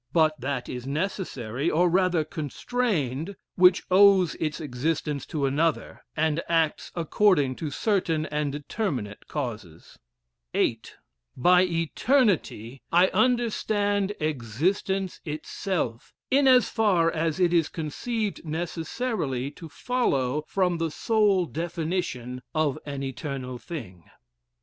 But that is necessary, or rather constrained, which owes its existence to another, and acts according to certain and determinate causes. VIII. By eternity I understand existence itself, in as far as it is conceived necessarily to follow from the sole definition of an eternal thing.